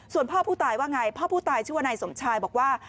ส่วนพ่อผู้ตายว่าไงพ่อผู้ตายชื่อว่านายสมชายบอกว่า